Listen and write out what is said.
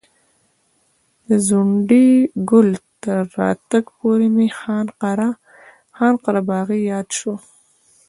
د ځونډي ګل تر راتګ پورې مې خان قره باغي یاد شو.